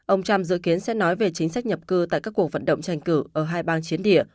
ông trump dự kiến sẽ nói về chính sách nhập cư tại các cuộc vận động tranh cử ở hai bang chiến địa